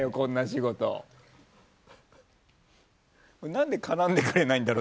何で絡んでくれないんだろ？